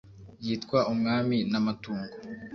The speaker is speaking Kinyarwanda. yitwa umwami ni amatungo